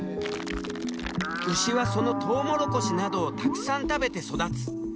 牛はそのトウモロコシなどをたくさん食べて育つ。